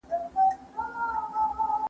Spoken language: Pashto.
هغه څوک چي احتکار کوي، په پای کي زیان ویني.